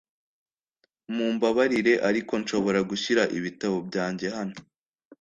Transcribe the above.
Mumbabarire, ariko nshobora gushyira ibitabo byanjye hano?